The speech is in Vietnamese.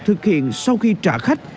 thực hiện sau khi trả khách